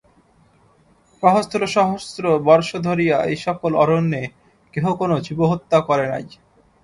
সহস্র সহস্র বর্ষ ধরিয়া এই সকল অরণ্যে কেহ কোন জীবহত্যা করে নাই।